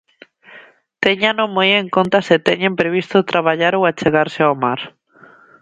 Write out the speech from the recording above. Téñano moi en conta se teñen previsto traballar ou achegarse ao mar.